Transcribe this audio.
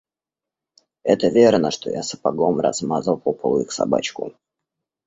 Это верно, что я сапогом размазал по полу их собачку.